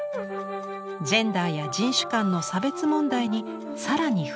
ジェンダーや人種間の差別問題に更に踏み込みました。